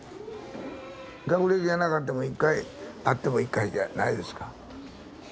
学歴がなかっても１回あっても１回じゃないですか。